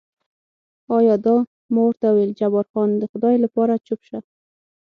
ایا دا؟ ما ورته وویل جبار خان، د خدای لپاره چوپ شه.